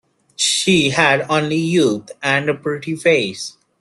She had only youth and a pretty face.